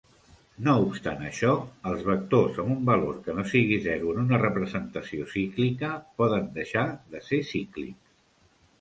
No obstant això, els vectors amb un valor que no sigui zero en una representació cíclica poden deixar de ser cíclics.